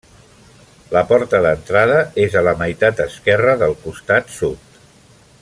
La porta d'entrada és a la meitat esquerra del costat sud.